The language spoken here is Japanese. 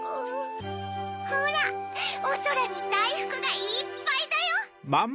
ほらおそらにだいふくがいっぱいだよ！